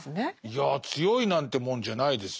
いや強いなんてもんじゃないですよ。